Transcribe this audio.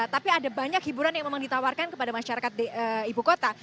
tapi ada banyak hiburan yang memang ditawarkan kepada masyarakat ibu kota